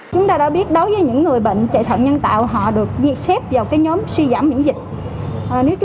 chúng ta đã biết đối với những người bệnh chạy thận nhân tạo họ được nhiệt xếp vào cái nhóm suy giảm những dịch